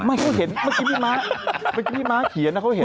ไม่เขาเห็นเมื่อกี้พี่ม้าเขียนเขาเห็นกันนะ